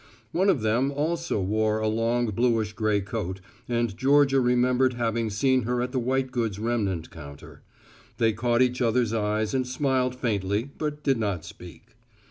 One of them also wore a long bluish gray coat and Georgia remembered having seen her at the white goods remnant counter. They caught each other's eyes and smiled faintly but did not speak.